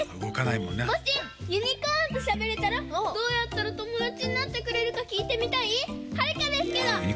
もしユニコーンとしゃべれたらどうやったらともだちになってくれるかきいてみたいはるかですけど！